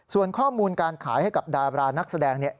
ส่วนข้อมูลการขายให้กับดารานักแสดงเนี่ย